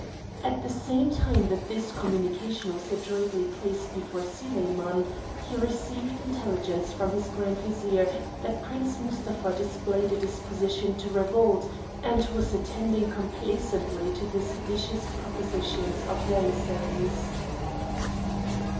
At the same time that this communication was adroitly placed before Soliman, he received intelligence from his Grand Vizier that Prince Mustapha displayed a disposition to revolt, and was attending complacently to the seditious propositions of the emissaries.